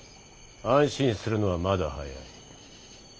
安心するのはまだ早い。